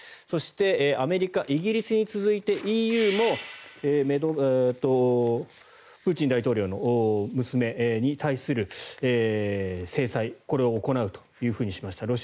そしてアメリカ、イギリスに続いてＥＵもプーチン大統領の娘に対する制裁を行うとしました。